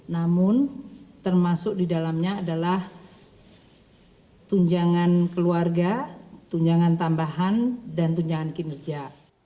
namun termasuk di dalamnya adalah tunjangan keluarga tunjangan tambahan dan tunjangan kinerja